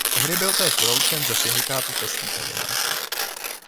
Tehdy byl též vyloučen ze Syndikátu českých novinářů.